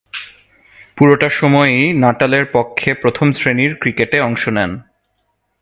পুরোটা সময়ই নাটালের পক্ষে প্রথম-শ্রেণীর ক্রিকেটে অংশ নেন।